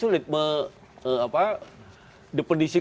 terakhir bang jensen dan bang irvan terakhir